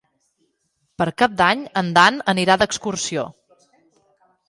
Per Cap d'Any en Dan anirà d'excursió.